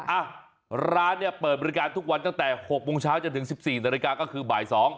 อ่ะร้านเนี่ยเปิดบริการทุกวันตั้งแต่๖โมงเช้าจนถึง๑๔นาฬิกาก็คือบ่าย๒